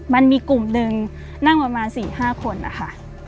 มันมีกลุ่มหนึ่งนั่งประมาณ๔๕คนนะคะ